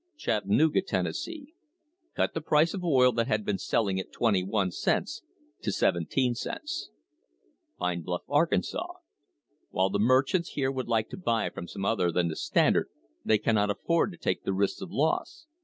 Chattanooga, Tenn. ... Cut the price of oil that had been selling at 21 cents to 17 cents. Pine Bluff, Ark. While the merchants here would like to buy from some other than the Standard they cannot afford to take the risks of loss.